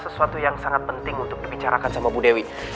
sesuatu yang sangat penting untuk dibicarakan sama bu dewi